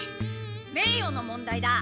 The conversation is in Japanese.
名誉の問題だ。